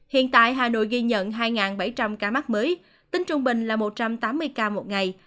hiện tại hà nội ghi nhận hai bảy trăm linh ca mắc mới tính trung bình là một trăm tám mươi ca một ngày